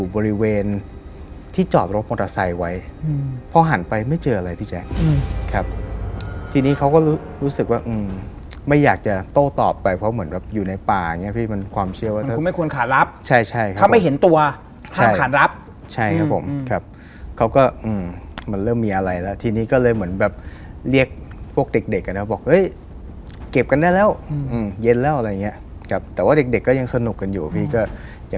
ครับทีนี้เขาก็รู้สึกว่าไม่อยากจะโต้ต่อไปเพราะเหมือนแบบอยู่ในป่าอย่างเงี้ยพี่มันความเชื่อว่าไม่ควรขาดรับใช่ครับเขาไม่เห็นตัวถ้าขาดรับใช่ครับผมครับเขาก็มันเริ่มมีอะไรแล้วทีนี้ก็เลยเหมือนแบบเรียกพวกเด็กกันแล้วบอกเก็บกันได้แล้วเย็นแล้วอะไรอย่างเงี้ยครับแต่ว่าเด็กก็ยังสนุกกันอยู่พี่ก็ยั